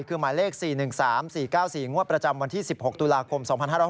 คือหมายเลข๔๑๓๔๙๔งวดประจำวันที่๑๖ตุลาคม๒๕๕๙